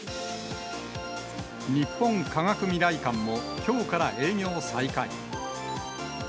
日本科学未来館も、きょうから営業再開。